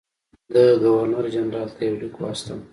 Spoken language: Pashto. ده ګورنرجنرال ته یو لیک واستاوه.